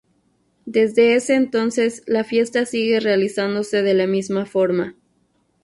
Desde ese entonces la fiesta sigue realizándose de la misma forma.